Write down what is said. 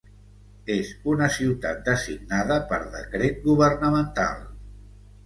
És una ciutat designada per decret governamental.